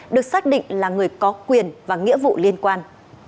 được xác định là người có quyền và nghĩa vụ liên quan